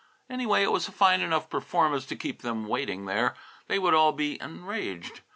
Anyway, it was a fine enough performance to keep them waiting there. They would all be enraged.